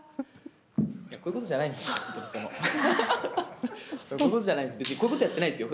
いや、こういうことじゃないんですよ。